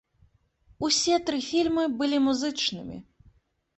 Усе тры фільмы былі музычнымі.